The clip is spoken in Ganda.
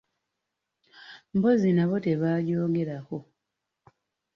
Mpozzi nabo tebaagyogerako.